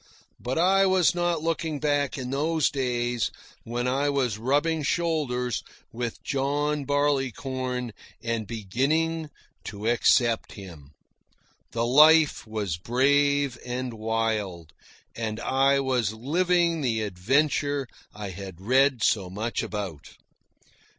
But I was not looking back in those days when I was rubbing shoulders with John Barleycorn and beginning to accept him. The life was brave and wild, and I was living the adventure I had read so much about.